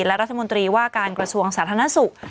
และรัฐมนตรีว่าการกระทรวงสาธารณสุข